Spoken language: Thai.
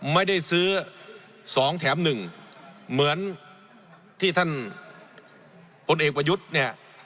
ไม่ได้ซื้อ๒แถมหนึ่งเหมือนที่ท่านพลเอกประยุทธ์เนี่ย